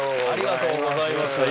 ありがとうございます。